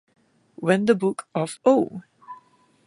When the book of Oh!